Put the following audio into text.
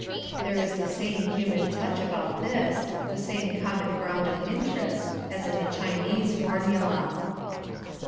There is the same human touch about this, the same common ground of interest, as in the Chinese formula.